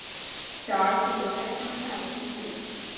小儿子留在乡下居住